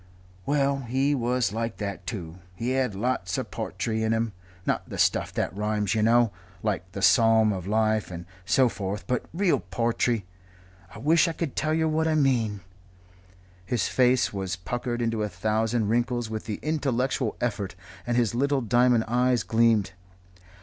"Well, he was like that too. He had lots of po'try in him not the stuff that rhymes, yer know, like 'The Psalm of Life' and so forth, but real po'try. I wish I could tell yer what I mean " His face was puckered into a thousand wrinkles with the intellectual effort, and his little diamond eyes gleamed.